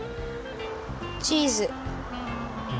チーズ。